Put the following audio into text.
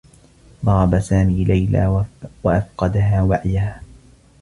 ضرب سامي ليلى و أفقدها وعيها.